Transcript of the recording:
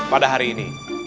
pada hari ini